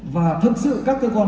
và thật sự các cơ quan